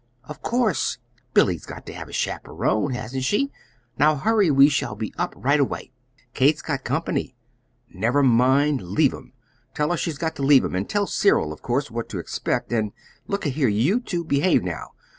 "Of course! Billy's got to have a chaperon; hasn't she? Now hurry. We shall be up right away." "Kate's got company." "Never mind leave 'em. Tell her she's got to leave 'em. And tell Cyril, of course, what to expect. And, look a here, you two behave, now.